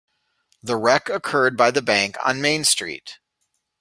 The wreck occurred by the bank on Main Street.